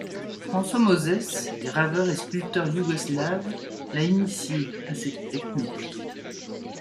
François Mozès, graveur et sculpteur yougoslave, l'a initié à cette technique.